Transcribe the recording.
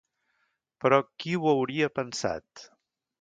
Però, qui ho hauria pensat?